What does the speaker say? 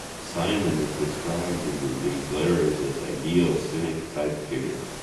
Simon is described in these letters as an ideal Cynic-type figure.